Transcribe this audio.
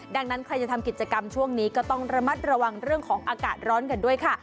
ดังนั้นใครจะทำกิจกรรมช่วงนี้ก็ต้องระมัดระวังเรื่องของอากาศร้อนกันด้วยค่ะ